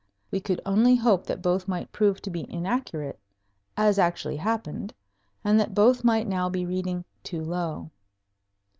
We could only hope that both might prove to be inaccurate, as actually happened, and that both might now be reading too low.